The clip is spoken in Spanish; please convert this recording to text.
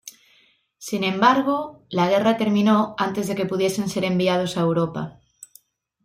Sin embargo, la guerra terminó antes que pudiesen ser enviados a Europa.